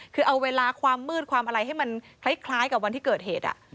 คือเอาเวลาความมืดความอะไรให้มันคล้ายกับวันที่เกิดเหตุ